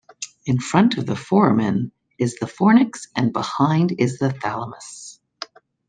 In front of the foramen is the fornix and behind is the thalamus.